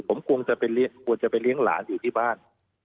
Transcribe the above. ผมคงจะไปเลี้ยงหลานอยู่ที่บ้าน